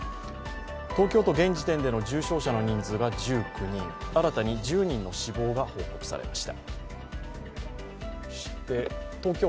東京都現時点での重症者の人数が１９人、新たに１０人の死亡が報告されました。